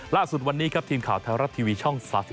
ล่าสุดวันนี้ครับทีมข่าวไทยรัฐทีวีช่อง๓๒